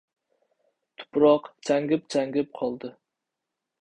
Tuproq changib-changib qoldi.